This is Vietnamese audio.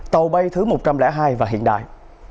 tàu bay thứ một trăm linh hai và hiện đại